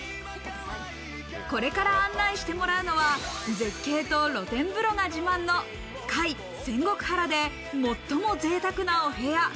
これから案内してもらうのは、絶景と露天風呂が自慢の「界仙石原」で最も贅沢なお部屋。